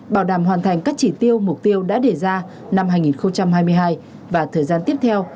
bảo đảm hoàn thành các chỉ tiêu mục tiêu đã đề ra năm hai nghìn hai mươi hai và thời gian tiếp theo